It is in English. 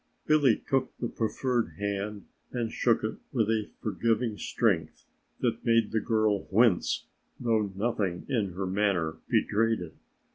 Billy took the proffered hand and shook it with a forgiving strength that made the girl wince though nothing in her manner betrayed it.